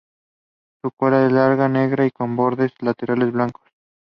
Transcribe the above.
His unit was on heightened alert during the Cuban Missile Crisis.